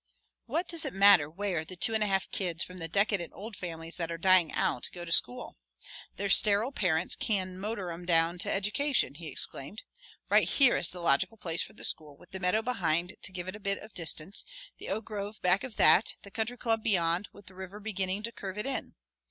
"What does it matter where the two and a half kids from the decadent old families that are dying out go to school? Their sterile parents can motor 'em down to education!" he exclaimed. "Right here is the logical place for the school with the meadow behind it to give a bit of distance, the oak grove back of that, the Country Club beyond, with the river beginning to curve it in.